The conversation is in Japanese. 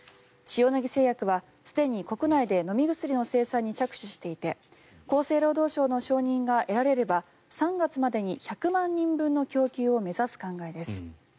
塩野義製薬はすでに国内で飲み薬の生産に着手していて厚生労働省の承認が得られれば３月までに１００万人分の供給を目指す考えです。